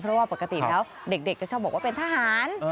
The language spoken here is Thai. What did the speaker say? เพราะว่าปกติแล้วเด็กจะชอบบอกว่าเป็นทหาร